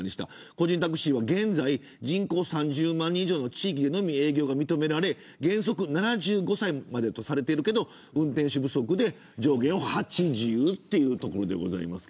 個人タクシーは現在、人口３０万人以上の地域でのみ営業が認められ原則７５歳までとされているけど運転手不足で上限を８０というところですが。